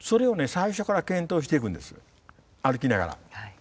最初から検討していくんです歩きながら。